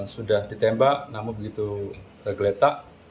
sudah ditembak namun begitu tergeletak